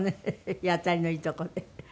日当たりのいいとこで。